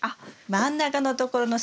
真ん中のところの筋。